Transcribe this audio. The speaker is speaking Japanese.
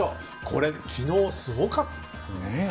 これ、昨日すごかった。